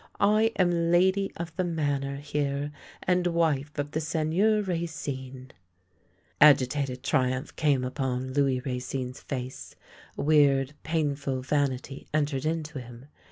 I am lady of the Manor here, and wife of the Seigneur Racine !" Agitated triumph came upon Louis Racine's face, a weird, painful vanity entered into him.